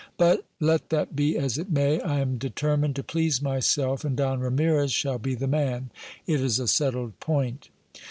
But let that be as it may. I am determined to please myself, and Don Ramires shall be the man ; it is a settled point.